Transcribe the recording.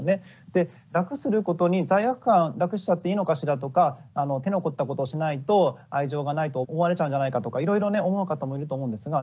で楽することに罪悪感楽しちゃっていいのかしらとか手の凝ったことをしないと愛情がないと思われちゃうんじゃないかとかいろいろね思う方もいると思うんですが。